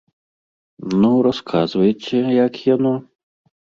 Ну, расказвайце, як яно.